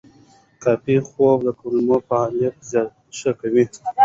کافي خوب د کولمو فعالیت ښه کوي.